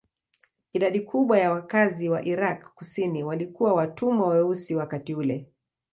Idadi kubwa ya wakazi wa Irak kusini walikuwa watumwa weusi wakati ule.